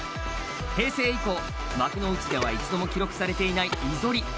平成以降、幕内では一度も記録されていない居反り。